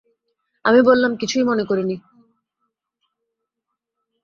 আমি বললাম, কিছুই মনে করি নি।